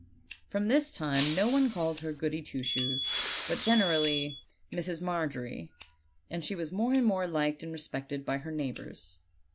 From this time no one called her "Goody Two Shoes," but generally Mrs. Margery, and she was more and more liked and respected by her neighbors.